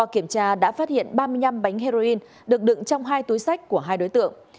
kiểm tra đã phát hiện ba mươi năm bánh heroin được đựng trong hai túi sách của hai đối tượng